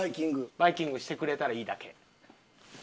バイキングしてくれたらいいだけ。